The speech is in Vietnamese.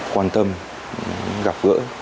quan tâm gặp gỡ